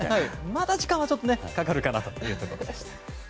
まだ時間はちょっとかかるかなということでした。